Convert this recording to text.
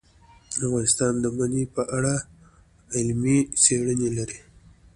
افغانستان د منی په اړه علمي څېړنې لري.